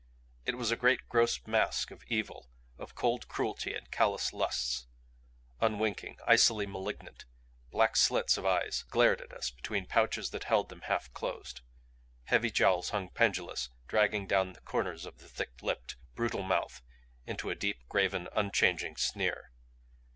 It was a great gross mask of evil, of cold cruelty and callous lusts. Unwinking, icily malignant, black slits of eyes glared at us between pouches that held them half closed. Heavy jowls hung pendulous, dragging down the corners of the thick lipped, brutal mouth into a deep graven, unchanging sneer.